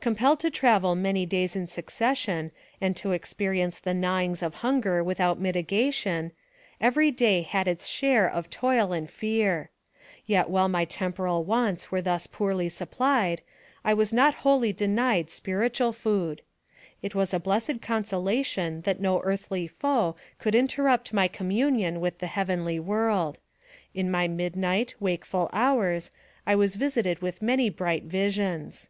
Compelled to travel many days in succession, and to experience the gnawings of hunger without miti gation, every day had its share of toil and fear. Yet while my temporal wants were thus poorly supplied, I was not wholly denied spiritual food. It was a blessed consolation that no earthly foe could interrupt my communion with the heavenly world. In my mid night, wakeful hours, I was visited with many bright* visions.